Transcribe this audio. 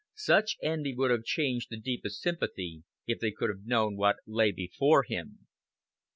Such envy would have been changed to deepest sympathy if they could have known what lay before him.